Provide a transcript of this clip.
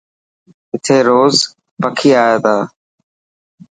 اٿي روز پکي آئي تا.